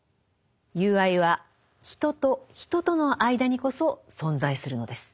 友愛は人と人との間にこそ存在するのです。